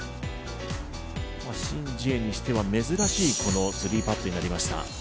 シン・ジエにしては珍しい、この３パットになりました。